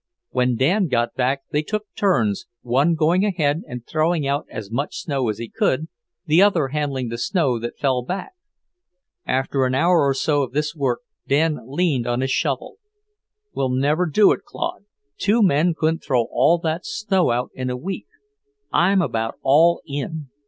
When Dan got back they took turns, one going ahead and throwing out as much snow as he could, the other handling the snow that fell back. After an hour or so of this work, Dan leaned on his shovel. "We'll never do it, Claude. Two men couldn't throw all that snow out in a week. I'm about all in."